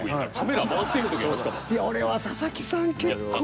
いや俺は佐々木さん結構。